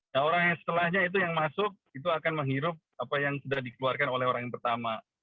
nah orang yang setelahnya itu yang masuk itu akan menghirup apa yang sudah dikeluarkan oleh orang yang pertama